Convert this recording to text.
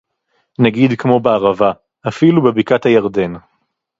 נגיד כמו בערבה, אפילו בבקעת-הירדן